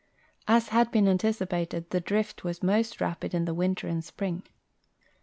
As had been anticipated, the drift was most rai)id in tlie winter and s[>ring.